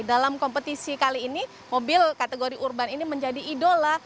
dalam kompetisi kali ini mobil kategori urban ini menjadi idola